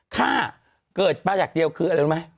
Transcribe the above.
ฆ่าเกิดประหยักเดียวคืออะไรรู้ไหม